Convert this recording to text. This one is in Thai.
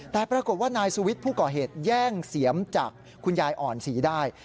แต่ปรากฏว่านายสุวิทย์ผู้ก่อเหตุแย่งเสียมจากคุณยายอ่อนศรีได้